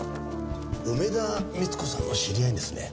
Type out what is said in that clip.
梅田三津子さんの知り合いにですね